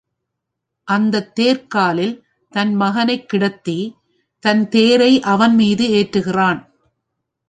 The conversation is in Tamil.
அந்தத் தேர்க்காலில் தன் மகனைக் கிடத்தி, தன்தேரை அவன்மீது ஏற்றுகிறான்.